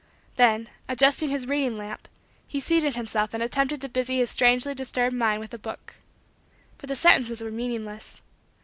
Then, adjusting his reading lamp, he seated himself and attempted to busy his strangely disturbed mind with a book. But the sentences were meaningless.